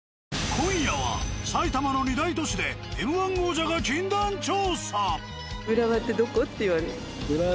今夜はさいたまの２大都市でＭ−１王者が禁断調査。